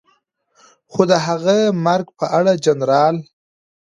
خو د هغه مرګ په اړه جنرال